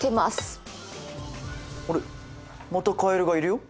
あれまたカエルがいるよ？